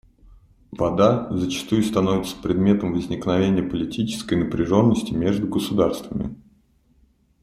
Вода зачастую становится предметом возникновения политической напряженности между государствами.